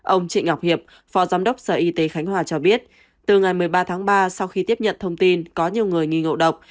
ông trịnh ngọc hiệp phó giám đốc sở y tế khánh hòa cho biết từ ngày một mươi ba tháng ba sau khi tiếp nhận thông tin có nhiều người nghi ngộ độc